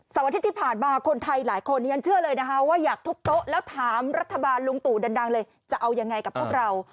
อาทิตย์ที่ผ่านมาคนไทยหลายคนที่ฉันเชื่อเลยนะคะว่าอยากทุบโต๊ะแล้วถามรัฐบาลลุงตู่ดังเลยจะเอายังไงกับพวกเรา